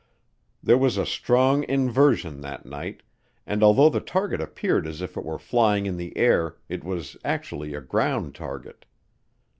There was a strong inversion that night, and although the target appeared as if it were flying in the air, it was actually a ground target.